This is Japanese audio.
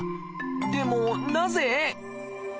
でもなぜ？